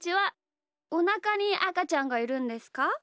おなかにあかちゃんがいるんですか？